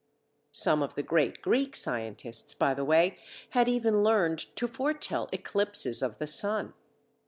Some of the great Greek scientists, by the way, had even learned to foretell eclipses of the sun.